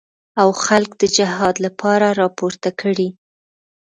او خلک د جهاد لپاره راپورته کړي.